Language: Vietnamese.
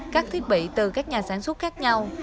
các thiết bị từ các nhà sản xuất khác nhau